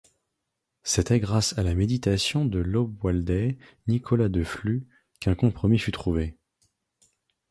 C'était grâce à la médiation de l'Obwaldais, Nicolas de Flue, qu'un compromis fut trouvé.